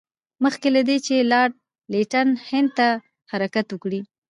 مخکې له دې چې لارډ لیټن هند ته حرکت وکړي.